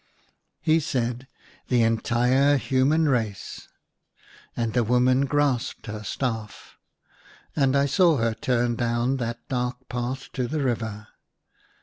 " He said, " The entire human race" And the woman grasped her staff. And I saw her turn down that dark path to the river.